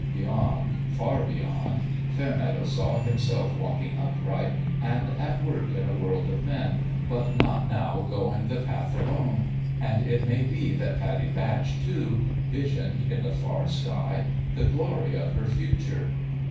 Beyond far beyond Fairmeadow saw himself walking upright and at work in a world of men, but not now going the path alone ; and it may be that Pattie Batch, too, visioned, in the far sky, the glory of her future.